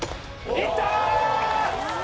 いったー！